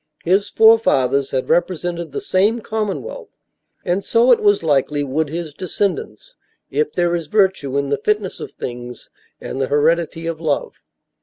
His forefathers had represented the same commonwealth, and so, it was likely, would his descendants, if there is virtue in the fitness of things and the heredity of love.